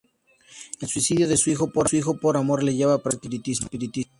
El suicidio de su hijo por amor le lleva a practicar el espiritismo.